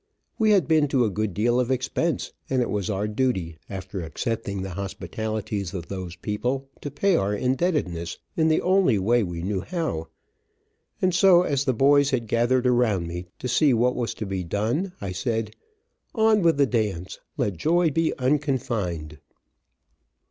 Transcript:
We had been to a good deal of expense, and it was our duty, after accepting the hospitalities of those people, to pay our indebtedness in the only way we knew how, and so, as the boys had gathered around me to see what was to be done, I said, "On with the dance. Let joy be unconfined."